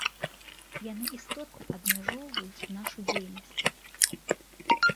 Яны істотна абмяжоўваюць нашу дзейнасць.